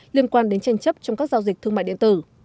liên quan đến tranh chấp trong các giao dịch thương mại điện tử